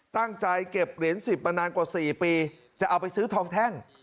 ตั้งใจเก็บเหรียญ๑๐มานานกว่า๔ปีจะเอาไปซื้อทองแท่ง